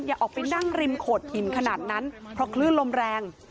อย่าออกไปนั่งริมโขดหินขนาดนั้นเพราะคลื่นลมแรง